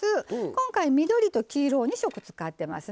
今回緑と黄色を２色使ってますね。